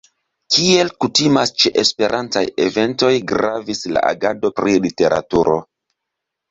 Kiel kutimas ĉe esperantaj eventoj gravis la agado pri literaturo.